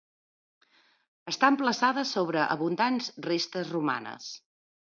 Està emplaçada sobre abundants restes romanes.